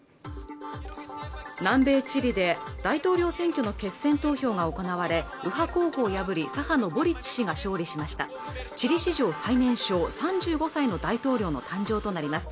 南米チリで大統領選挙の決選投票が行われ右派候補を破りボリッチ氏が勝利しましたチリ史上最年少３５歳の大統領の誕生となります